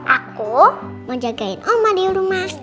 aku mau jagain oma di rumah